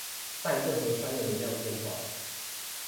但各河川的流量變化